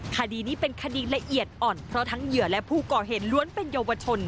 คดีนี้เป็นคดีละเอียดอ่อนเพราะทั้งเหยื่อและผู้ก่อเหตุล้วนเป็นเยาวชน